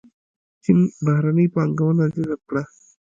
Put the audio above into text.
چین بهرنۍ پانګونه جذب کړه.